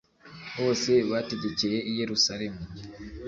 bose bategekeye i Yerusalemu